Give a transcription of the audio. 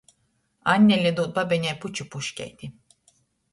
Annele dūd babeņai puču puškeiti.